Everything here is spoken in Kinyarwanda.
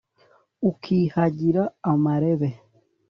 Ukihagira amarebe